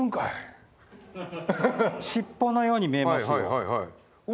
尻尾のように見えます。